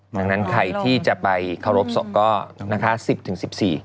ดังนั้นใครว่าจะไปเคารพศพก็๑๐ถึง๑๔